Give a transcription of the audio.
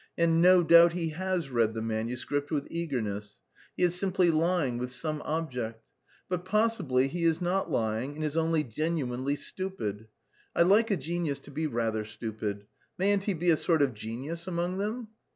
and no doubt he has read the manuscript with eagerness; he is simply lying with some object. But possibly he is not lying and is only genuinely stupid. I like a genius to be rather stupid. Mayn't he be a sort of genius among them?